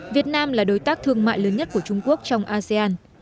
việt nam là đối tác thương mại lớn nhất của trung quốc trong asean